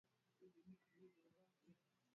wananunua vifaa vya redio kwa gharama kubwa sana